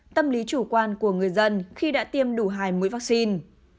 tâm lý chủ quan của người dân khi đã tiêm đủ hai mũi vaccine